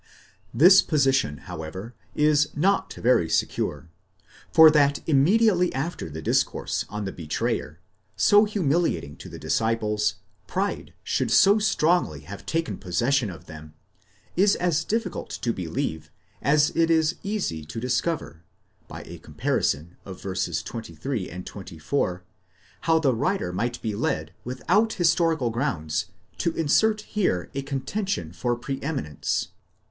This position, however, is not very secure ; for that immediately after the discourse on the betrayer, so humiliating to the disciples, pride should so strongly have taken possession of them, is as diffi cult to believe, as it is easy to discover, by a comparison of v. 23 and 24, how the writer might be led, without historical grounds, to insert here a contention for pre eminence.